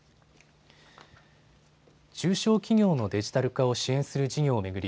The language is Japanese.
中小企業のデジタル化を支援する事業を巡り